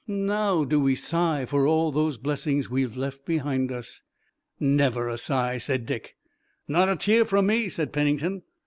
Now, do we sigh for all those blessings we've left behind us?" "Never a sigh!" said Dick. "Not a tear from me," said Pennington.